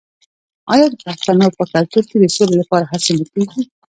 آیا د پښتنو په کلتور کې د سولې لپاره هڅې نه کیږي؟